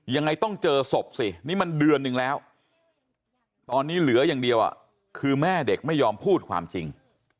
ยังไงต้องเจอศพสินี่มันเดือนหนึ่งแล้วตอนนี้เหลืออย่างเดียวคือแม่เด็กไม่ยอมพูดความจริง